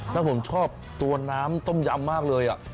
แล้วผมชอบตัวน้ำต้มยำมากเลย